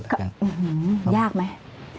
อื้อหือยากไหม